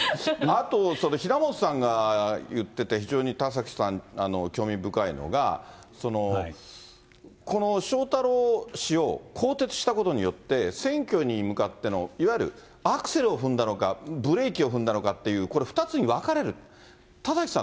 あと、平本さんが言ってて、非常に田崎さん、興味深いのが、この翔太郎氏を更迭したことによって、選挙に向かってのいわゆるアクセルを踏んだのか、ブレーキを踏んだのかっていう、これ、２つに分かれる。